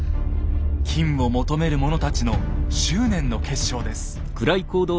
金を求める者たちの執念の結晶です。